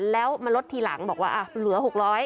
แล้วมาลดทีหลังบอกว่าเหลือ๖๐๐